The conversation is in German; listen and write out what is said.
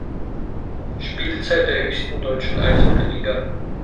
Spielzeit der höchsten deutschen Eishockeyliga.